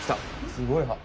すごい歯！